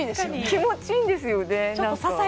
気持ちいいんですよね